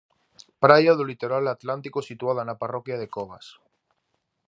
Praia do litoral atlántico situada na parroquia de Covas.